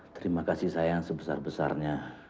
terima kasih sayang sebesar besarnya